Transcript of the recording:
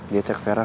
gak tau ya